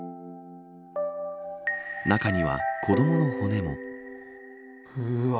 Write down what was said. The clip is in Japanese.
中には子どもの骨も。